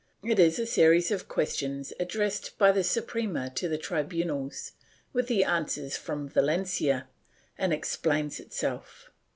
It is a series of questions addressed by the Suprema to the tribunals, with the answers from Valencia, and explains itself.